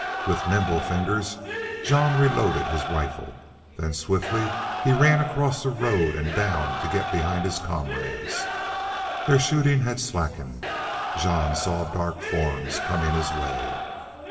With nimble fingers Jean reloaded his rifle. Then swiftly he ran across the road and down to get behind his comrades. Their shooting had slackened. Jean saw dark forms coming his way.